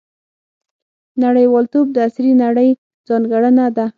• نړیوالتوب د عصري نړۍ ځانګړنه ده.